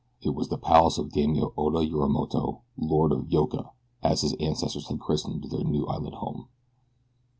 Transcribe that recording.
It was the palace of Daimio Oda Yorimoto, Lord of Yoka, as his ancestors had christened their new island home.